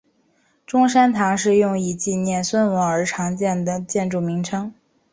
中山堂是用以纪念孙文而常见的建筑名称。